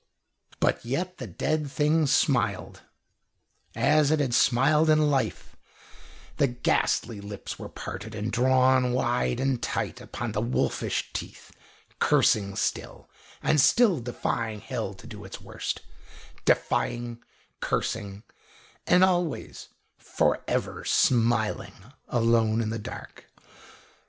But yet the dead thing smiled, as it had smiled in life; the ghastly lips were parted and drawn wide and tight upon the wolfish teeth, cursing still, and still defying hell to do its worst defying, cursing, and always and for ever smiling alone in the dark.